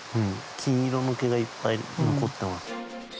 金色の毛がいっぱい残ってます。